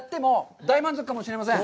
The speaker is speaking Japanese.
大満足かもしれません。